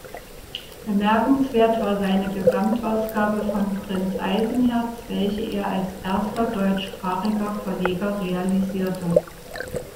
Bemerkenswert war seine Gesamtausgabe von "Prinz Eisenherz," welche er als erster deutschsprachiger Verleger realisierte.